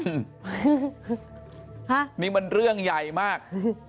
ฮะนี่มันเรื่องใหญ่มาก